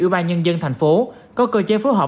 ủy ban nhân dân thành phố có cơ chế phối hợp